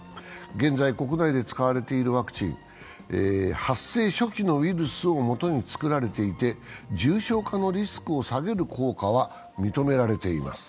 現在、国内で使われているワクチン発生初期のウイルスをもとに作られていて重症化のリスクを下げる効果は認められています。